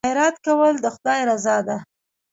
خیرات کول د خدای رضا ده.